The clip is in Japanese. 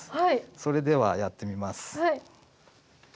それではやってみます。